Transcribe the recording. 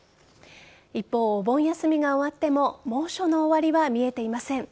一方、お盆休みが終わっても猛暑の終わりは見えていません。